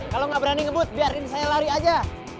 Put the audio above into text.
kalau nggak berani ngebut biarin saya lari aja